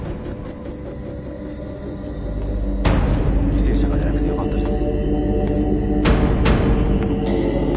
犠牲者が出なくてよかったです。